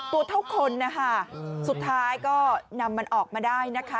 ตัวเท่าคนนะคะสุดท้ายก็นำมันออกมาได้นะคะ